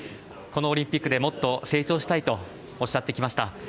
このオリンピックでもっと成長したいとおっしゃってきました。